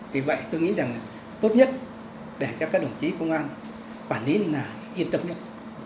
vì vậy tôi nghĩ rằng tốt nhất để cho các đồng chí công an quản lý là yên tâm nhất